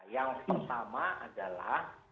yang pertama adalah